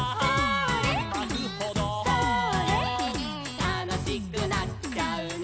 「たのしくなっちゃうね」